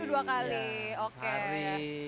seminggu dua kali